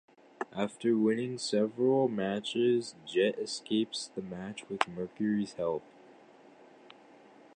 After winning several matches, Jet escapes the match with Mercury's help.